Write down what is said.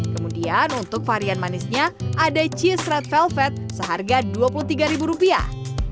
kemudian untuk varian manisnya ada cheese red velvet seharga dua puluh tiga ribu rupiah